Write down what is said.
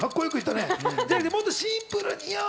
もっとシンプルよ。